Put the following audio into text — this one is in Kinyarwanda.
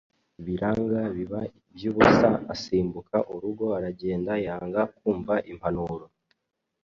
biranga biba iby’ubusa asimbuka urugo aragenda yanga kumva impanuro.